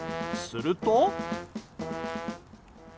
すると。